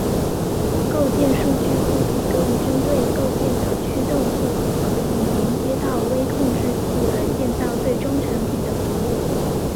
构件数据库提供针对构件的驱动库和可以连接到微控制器而建造最终产品的服务。